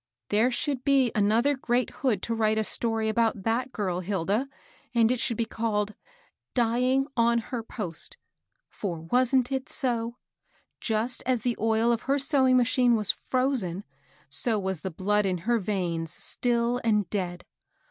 " There should be another great Hood to write a story about that girl, Hilda, and it should be called, ' Dying on her post I ' For wasn't it so ? Just as the oil of her sewing machine was frozen, so was the blood in her veins still and dead.